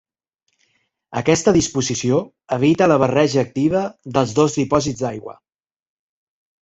Aquesta disposició evita la barreja activa dels dos dipòsits d'aigua.